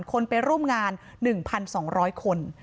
คนไปร่วมงาน๑๒๐๐คน